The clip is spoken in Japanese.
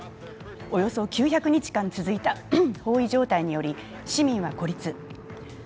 およそ９００日間続いた包囲状態により市民は孤立。